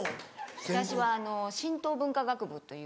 私は神道文化学部というところ。